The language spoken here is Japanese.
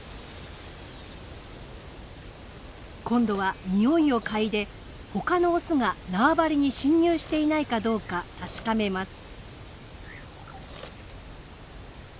今度はニオイを嗅いで他のオスが縄張りに侵入していないかどうか確かめます。